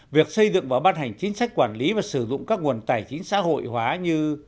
việc xây dựng và ban hành chính sách quản lý và sử dụng các nguồn tài chính xã hội hóa như